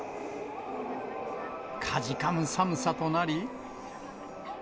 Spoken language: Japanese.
かじかむ寒さとなり。